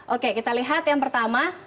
oke kita lihat yang pertama